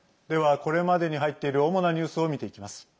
では、これまでに入っている主なニュースを見ていきます。